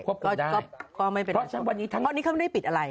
ควบคุมได้เพราะฉะนั้นวันนี้เพราะฉะนั้นวันนี้เขาไม่ได้ปิดอะไร